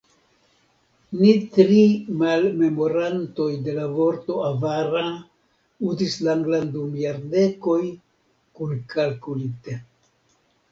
Ni tri malmemorantoj de la vorto "avara" uzis la anglan dum jardekoj, kunkalkulite.